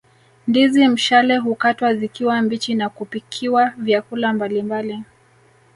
Ndizi mshale hukatwa zikiwa mbichi na kupikiwa vyakula mbalimbali